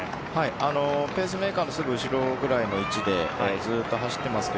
ペースメーカーのすぐ後ろぐらいの位置でずっと走っています。